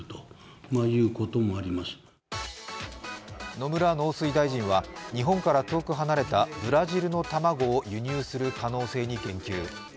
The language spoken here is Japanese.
野村農水大臣は日本から遠く離れたブラジルの卵を輸入する可能性に言及。